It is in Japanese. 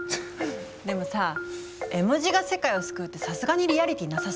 でもさ絵文字が世界を救うってさすがにリアリティーなさすぎでしょ。